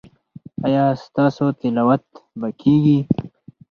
ایا ستاسو تلاوت به کیږي؟